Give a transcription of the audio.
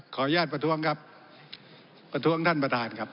ประท้วงครับประท้วงท่านประธานครับ